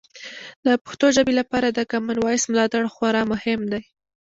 د پښتو ژبې لپاره د کامن وایس ملاتړ خورا مهم دی.